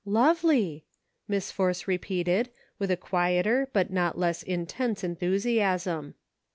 " Lovely !" Miss Force repeated, with a quieter but not less intense enthusiasm.